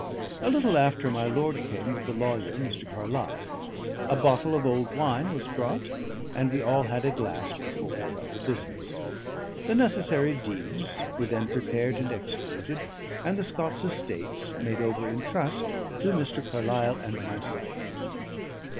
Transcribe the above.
A little after, my lord came with the lawyer, Mr. Carlyle; a bottle of old wine was brought, and we all had a glass before we fell to business. The necessary deeds were then prepared and executed, and the Scots estates made over in trust to Mr. Carlyle and myself.